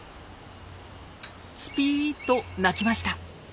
「ツピー」と鳴きました。